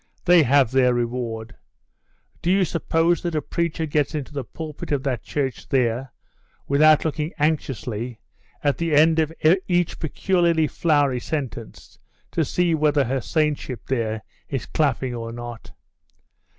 They have their reward. Do you suppose that a preacher gets into the pulpit of that church there, without looking anxiously, at the end of each peculiarly flowery sentence, to see whether her saintship there is clapping or not?